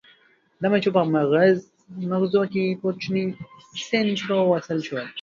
د مچیو په مغزو کې کوچني سېنسرونه وصل شول.